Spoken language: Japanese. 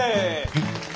えっ？